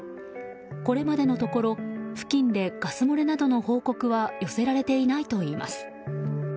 これまでのところ付近でガス漏れなどの報告は寄せられていないといいます。